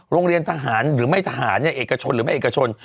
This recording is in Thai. โรงเรียนทหารหรือไม่ทหารเนี่ยเอกชนหรือไม่เอกชน